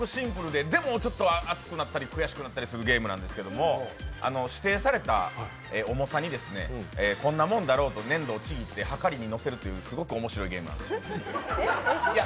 熱くなったり悔しくなったりするゲームなんですけど指定された重さに、こんなもんだろうと粘土をちぎってはかりにのせるというすごい面白いゲームです。